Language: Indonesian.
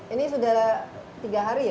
ini sudah tiga hari ya